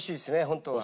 本当は。